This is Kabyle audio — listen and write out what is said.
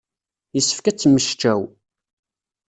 Yessefk ad temmecčaw.